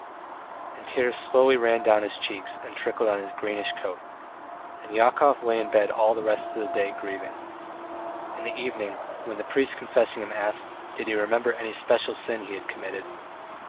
and tears slowly ran down his cheeks and trickled on his greenish coat. And Yakov lay in bed all the rest of the day grieving. In the evening, when the priest confessing him asked, Did he remember any special sin he had committed?